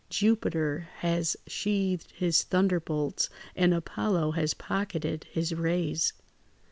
Jupiter has sheathed his thunderbolts and Apollo has pocketed his rays."